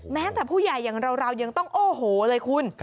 แต่ผู้ใหญ่อย่างเรายังต้องโอ้โหเลยคุณ